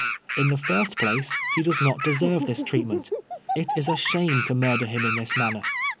In the first place, he does not deserve this treatment. It is a shame to murder him in this manner.